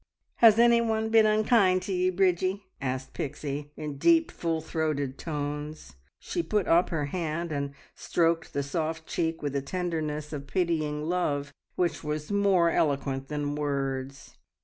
"Has anyone been unkind to ye, Bridgie?" asked Pixie in deep, full throated tones. She put up her hand and stroked the soft cheek with a tenderness of pitying love which was more eloquent than words.